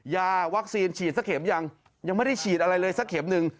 ยาวัคซีนฉีดสักเข็มยังยังไม่ได้ฉีดอะไรเลยสักเข็มหนึ่ง